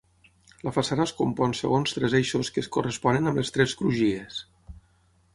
La façana es compon segons tres eixos que es corresponen amb les tres crugies.